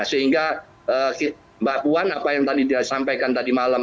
sehingga mbak puan apa yang tadi dia sampaikan tadi malam